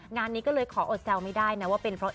งานนี้ก็เลยขออดแซวไม่ได้นะว่าเป็นเพราะ